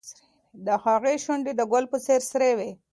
د هغې شونډې د ګل په څېر سرې وې.